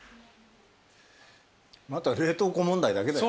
あとは冷凍庫問題だけだよ。